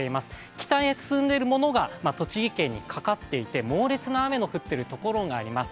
北へ進んでいるものが栃木県にかかっていて猛烈な雨の降ってるところがあります